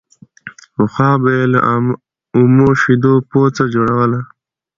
پخوا به يې له اومو شيدو پوڅه جوړوله